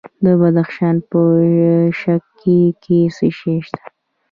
د بدخشان په شکی کې څه شی شته؟